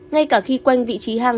ngay cả khi quanh vị trí hang